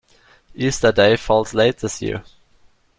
Easter Day falls late this year